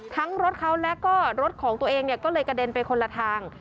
รถเขาแล้วก็รถของตัวเองก็เลยกระเด็นไปคนละทาง